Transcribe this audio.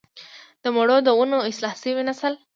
د مڼو د ونو اصلاح شوی نسل شته